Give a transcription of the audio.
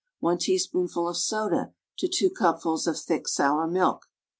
1 teaspoonful of soda to 2 cupfuls of thick sour milk.